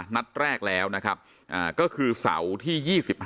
นัดแรกแล้วนะครับก็คือเสาร์ที่๒๕